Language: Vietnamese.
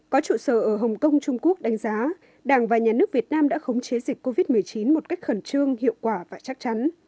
có trụ sở ở hồng kông trung quốc đánh giá đảng và nhà nước việt nam đã khống chế dịch covid một mươi chín một cách khẩn trương hiệu quả và chắc chắn